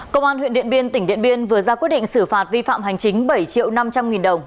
công an huyện điện biên tỉnh điện biên vừa ra quyết định xử phạt vi phạm hành chính bảy triệu năm trăm linh nghìn đồng